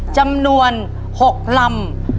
จำนวน๖ลำ